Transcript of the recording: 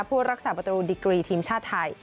ผู้รักษาประตูดิกรีทีมชาติไทย